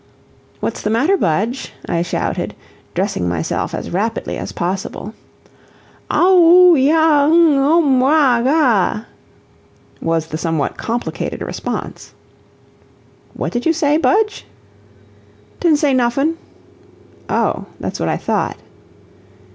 "What's the matter, Budge?" I shouted, dressing myself as rapidly as possible. "Ow oo ya ng um boc gaa," was the somewhat complicated response. "What did you say, Budge?" "Didn't say noffin'." "Oh that's what I thought."